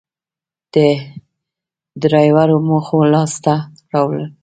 د درېواړو موخو لاسته راوړل